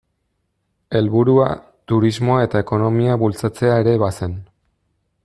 Helburua turismoa eta ekonomia bultzatzea ere bazen.